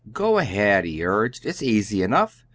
"Go ahead," he urged; "it's easy enough.